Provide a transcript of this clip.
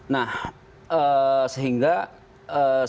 nah sehingga sebagai aturan organik